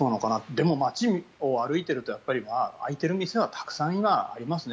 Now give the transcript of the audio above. でも街を歩いていると開いている店はたくさん今、ありますね